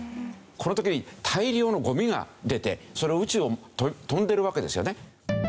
この時に大量のゴミが出てそれが宇宙を飛んでるわけですよね。